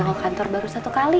kemarin ke kantor baru satu kali